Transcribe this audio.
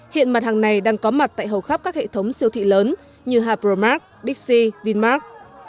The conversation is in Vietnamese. hiện mặt hàng này đang có mặt tại hầu khắp các hệ thống siêu thị lớn như hapromac bixi vinmark